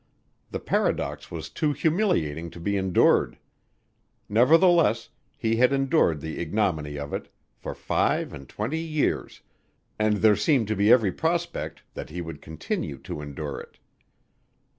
The paradox was too humiliating to be endured! Nevertheless, he had endured the ignominy of it for five and twenty years, and there seemed to be every prospect that he would continue to endure it.